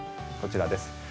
こちらです。